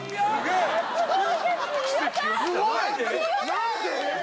何で？